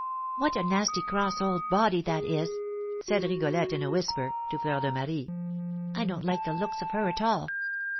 "What a nasty cross old body that is!" said Rigolette, in a whisper, to Fleur de Marie. "I don't like the looks of her at all!"